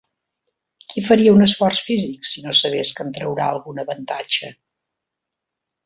Qui faria un esforç físic si no sabés que en traurà algun avantatge?